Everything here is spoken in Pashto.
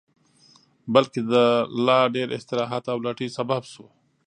بلکې د لا ډېر استراحت او لټۍ سبب شو